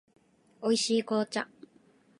美味しい紅茶